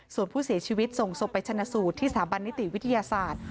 ส่วนผู้เสียชีวิตส่งศพไปชนะสูตรที่สถาบันนิติวิทยาศาสตร์